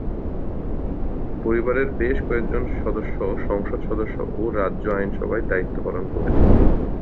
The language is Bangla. পরিবারের বেশ কয়েকজন সদস্য সংসদ সদস্য এবং রাজ্য আইনসভায় দায়িত্ব পালন করেছেন।